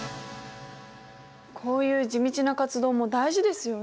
こういう地道な活動も大事ですよね。